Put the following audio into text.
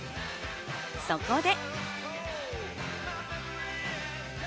そこで。